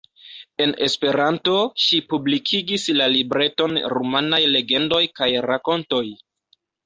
En Esperanto, ŝi publikigis la libreton "Rumanaj legendoj kaj rakontoj".